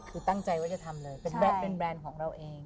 คือตั้งใจว่าจะทำเลยเป็นแบรนด์ของเราเอง